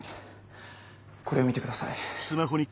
これを見てください。